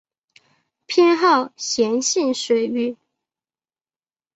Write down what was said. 偏好咸性水域。